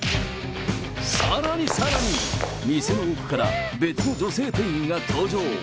さらにさらに、店の奥から別の女性店員が登場。